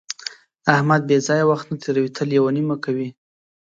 احمد بې ځایه وخت نه تېروي، تل یوه نیمه کوي.